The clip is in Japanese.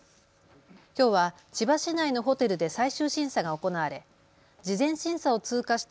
きょうは千葉市内のホテルで最終審査が行われ事前審査を通過した